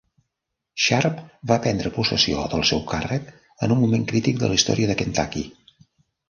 Sharp va prendre possessió del seu càrrec en un moment crític de la història de Kentucky.